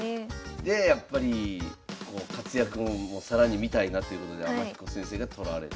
でやっぱり活躍も更に見たいなということで天彦先生が取られて。